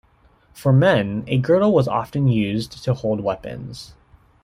For men a girdle was often used to hold weapons.